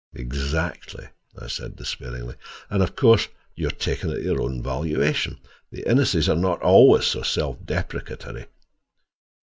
"Exactly," I said despairingly, "and, of course, you are taken at your own valuation. The Inneses are not always so self depreciatory."